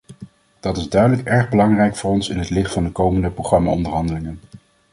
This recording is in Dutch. Dat is duidelijk erg belangrijk voor ons in het licht van de komende programmaonderhandelingen.